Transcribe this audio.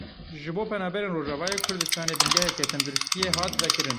Ji bo penaberên Rojavayê Kurdistanê bingeheke tendirustiyê hat vekirin.